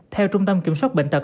theo trung tâm kiểm soát bệnh tật